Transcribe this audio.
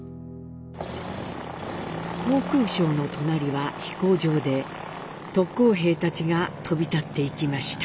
航空廠の隣は飛行場で特攻兵たちが飛び立っていきました。